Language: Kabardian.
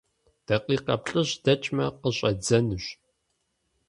Дакъикъэ плӀыщӀ дэкӀмэ, къыщӀэддзэнущ.